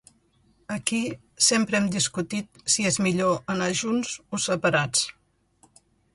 Aquí sempre hem discutit si és millor anar junts o separats.